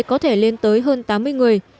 có thể lên tới hơn tám mươi người